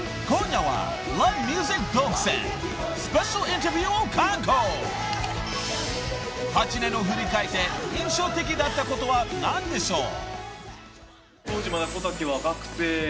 ［８年を振り返って印象的だったことは何でしょう？］